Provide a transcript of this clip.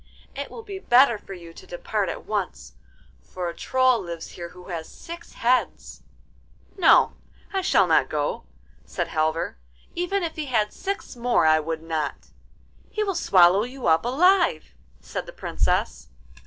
It will be better for you to depart at once, for a Troll lives here who has six heads.' 'No, I shall not go,' said Halvor; 'even if he had six more I would not.' 'He will swallow you up alive,' said the Princess.